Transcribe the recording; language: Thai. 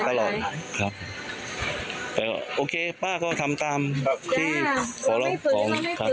ตลอดครับแต่ว่าโอเคป้าก็ทำตามครับที่เราไม่ฝืนเราไม่ฝืนครับ